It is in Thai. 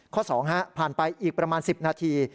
ข้อสองผ่านไปอีกประมาณ๑๐นาที